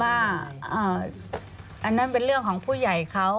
อันนั้นเป็นเรื่องของผู้ใหญ่เขา